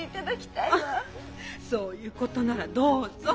そういうことならどうぞ。